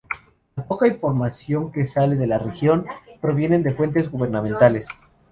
La poca información que sale de la región provienen de fuentes gubernamentales"".